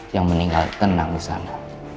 yang meninggal tenang di sana